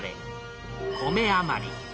米余り。